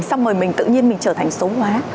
xong rồi mình tự nhiên mình trở thành xấu hóa